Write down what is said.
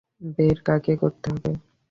বের কাকে করতে হবে?